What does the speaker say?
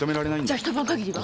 じゃあ一晩限りは？